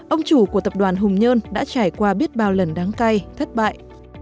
ông chủ của tập đoàn hùng nhơn đã trải qua biết bao lần đáng ca thất bại